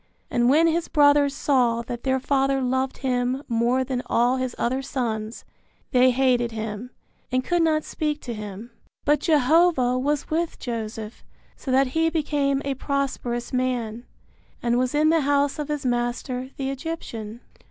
And when his brothers saw that their father loved him more than all his other sons, they hated him, and could not speak to him. But Jehovah was with Joseph so that he became a prosperous man, and was in the house of his master the Egyptian.